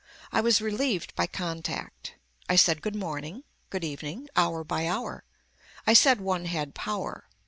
I was relieved by contact. I said good morning, good evening, hour by hour. I said one had power.